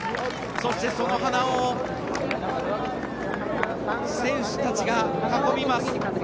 そして、その花尾を選手たちが囲みます。